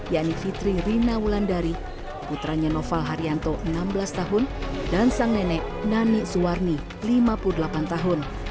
yakni fitri rina wulandari putranya noval haryanto enam belas tahun dan sang nenek nani suwarni lima puluh delapan tahun